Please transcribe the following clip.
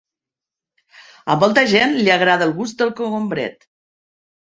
A molta gent li agrada el gust del cogombret.